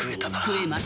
食えます。